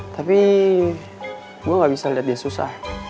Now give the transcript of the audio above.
tapi gue gak bisa lihat dia susah